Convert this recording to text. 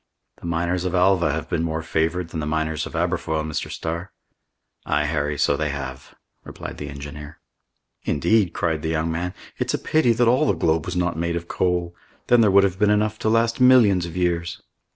"The miners of Alva have been more favored than the miners of Aberfoyle, Mr. Starr!" "Ay, Harry, so they have," replied the engineer. "Indeed," cried the young man, "it's a pity that all the globe was not made of coal; then there would have been enough to last millions of years!"